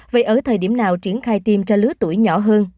vậy ở thời điểm nào triển khai tiêm cho lứa tuổi nhỏ hơn